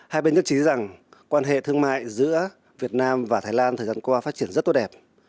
hai bên nhất trí rằng quan hệ thương mại giữa việt nam và thái lan thời gian qua phát triển rất tốt đẹp